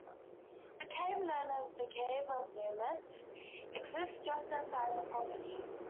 A cave known as "The Cave of Munits" exists just inside the property.